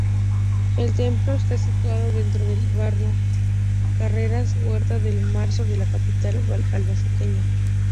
El templo está situado dentro del barrio Carretas-Huerta de Marzo de la capital albaceteña.